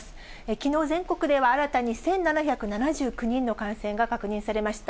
きのう、全国では新たに１７７９人の感染が確認されました。